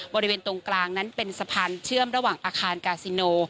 บริเวณตรงกลางนั้นเป็นสะพานเชื่อมระหว่างอาคารกาซิโน